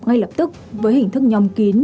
ngay lập tức với hình thức nhóm kín